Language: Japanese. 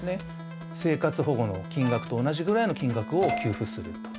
生活保護の金額と同じぐらいの金額を給付すると。